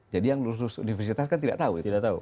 jadi yang lulus lulus universitas kan tidak tahu